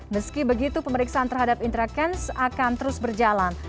meski begitu pemeriksaan terhadap indra kents akan terus berjalan